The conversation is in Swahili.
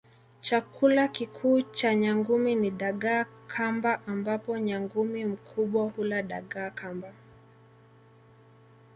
Chakula kikuu cha nyangumi ni dagaa kamba ambapo nyangumi mkubwa hula dagaa kamba